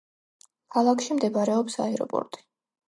ქალაქში მდებარეობს აეროპორტი.